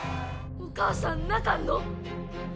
お母さん泣かんの？